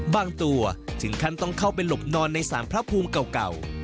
บางตัวถึงขั้นต้องเข้าไปหลบนอนในสารพระภูมิเก่า